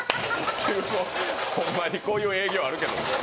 ほんまにこういう営業あるけど。